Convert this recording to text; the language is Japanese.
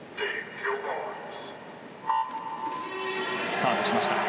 スタートしました。